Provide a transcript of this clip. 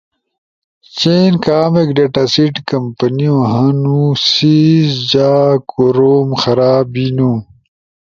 چین کامک ڈیٹا سیٹ کمپنو ہنُو، سی جا کوروم خراب بیِنو